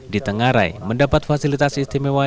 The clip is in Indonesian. di tengarai mendapat fasilitas istimewa